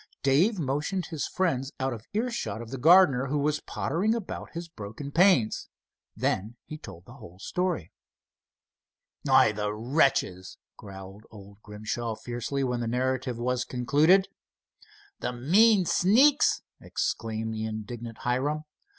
Dave motioned his friends out of earshot of the gardener, who was pottering about his broken panes. Then he told the whole story. "Why, the wretches!" growled old Grimshaw, fiercely, when the narrative was concluded. "The mean sneaks!" exclaimed the indignant Hiram.